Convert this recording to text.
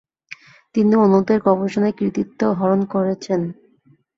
তিনি অন্যদের গবেষণার কৃতিত্ব হরণ করেছেন।